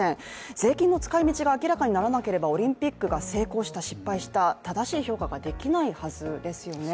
税金の使いみちが明らかにならなければオリンピックが成功した・失敗した、正しい評価ができないはずですよね。